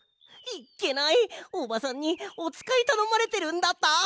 いっけないおばさんにおつかいたのまれてるんだった！